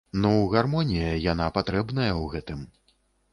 Ну, гармонія, яна патрэбная ў гэтым.